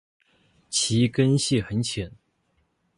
其根系很浅。